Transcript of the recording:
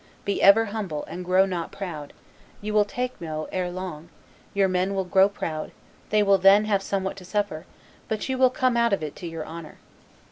Be ever humble and grow not proud; you will take Meaux ere long; your men will grow proud; they will then have somewhat to suffer; but you will come out of it to your honor."